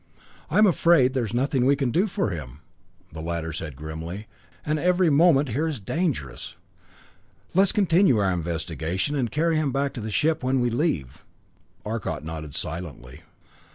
"I'm afraid there's nothing we can do for him," the latter said grimly, "and every moment here is dangerous. Let's continue our investigation and carry him back to the ship when we leave." Arcot nodded silently.